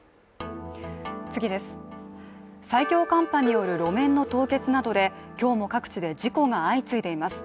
最強寒波による路面の凍結などで今日も各地で事故が相次いでいます。